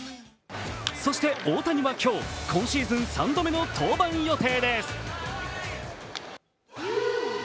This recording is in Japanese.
そして大谷は今日今シーズン３度目の登板予定です。